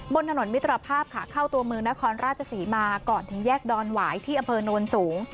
บนถนนมิตรภาพค่ะเข้าตัวเมืองนครราชศรีมาก่อนถึงแยกดอนหวายที่อำเภอโนนสูง